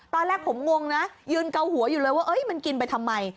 ตอนแรกผมงงนะยืนเกาหัวอยู่เลยว่ามันกินไปทำไม